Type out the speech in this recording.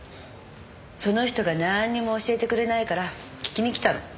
その人がなんにも教えてくれないから聞きに来たの。